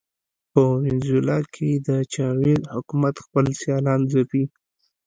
په وینزویلا کې د چاوېز حکومت خپل سیالان ځپي.